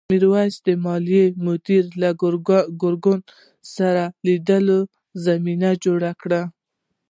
میرويس د مالیې مدیر له ګرګین سره د لیدو زمینه جوړه کړه.